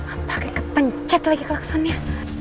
apakah ketenjat lagi klaksonnya